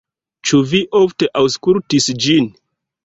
Ĉu vi ofte aŭskultis ĝin?